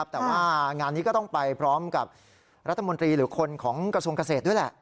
แต่ว่างานนี้ก็ต้องไปพร้อมกับรัฐมนตรีหรือคนของกระทรวงเกษตรด้วยแหละ